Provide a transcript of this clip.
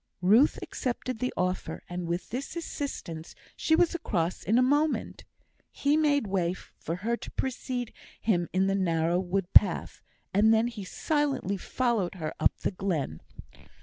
Ruth accepted the offer, and with this assistance she was across in a moment. He made way for her to precede him in the narrow wood path, and then silently followed her up the glen.